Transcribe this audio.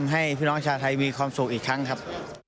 ให้พี่น้องชาวไทยมีความสุขอีกครั้งครับ